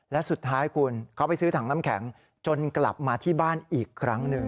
และสุดท้ายคุณเขาไปซื้อถังน้ำแข็งจนกลับมาที่บ้านอีกครั้งหนึ่ง